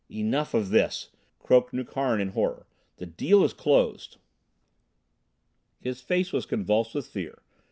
"Enough of this," croaked Nukharin in horror. "The deal is closed." His face was convulsed with fear.